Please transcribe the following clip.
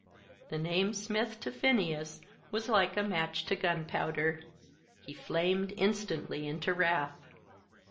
The name Smith to Phineas was like a match to gunpowder. He flamed instantly into wrath.